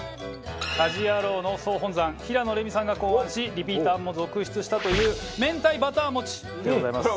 『家事ヤロウ！！！』の総本山平野レミさんが考案しリピーターも続出したという明太バター餅でございます。